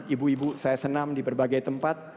ibu ibu saya senam di berbagai tempat